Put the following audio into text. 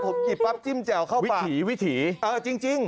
ผมหยิบปั๊บจิ้มแจ่วเข้าวิถีวิถีเออจริงจริง